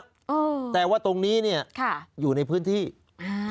เออแต่ว่าตรงนี้เนี้ยค่ะอยู่ในพื้นที่อ่า